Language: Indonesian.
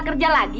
bisa jadi mu space